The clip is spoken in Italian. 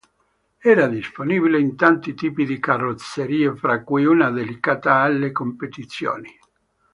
Era disponibile in tanti tipi di carrozzerie fra cui una dedicata alle competizioni.